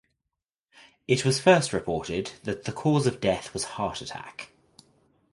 It was first reported that the cause of death was heart attack.